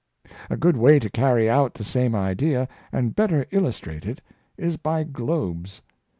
A good way to carry out the same idea, and better illustrate it, is by globes.